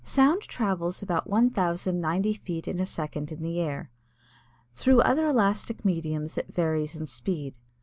Sound travels about one thousand ninety feet in a second in the air. Through other elastic mediums it varies in speed.